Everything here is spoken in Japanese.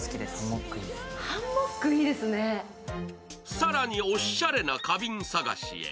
更におっしゃれな花瓶探しへ。